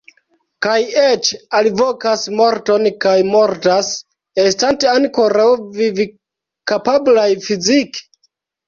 Kaj eĉ alvokas morton kaj mortas, estante ankoraŭ vivkapablaj fizike?